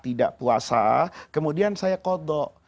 tidak puasa kemudian saya kodok